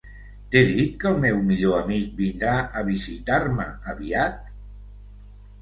T'he dit que el meu millor amic vindrà a visitar-me aviat?